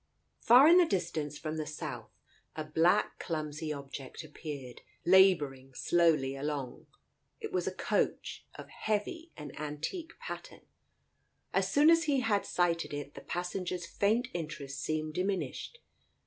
Far in the distance, from the south, a black clumsy object appeared, labouring slowly along. It was a coach, of heavy and antique pattern. As soon as he had sighted it, the passenger's faint interest seemed diminished.